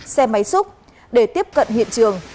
xe máy xúc để tiếp cận hiện trường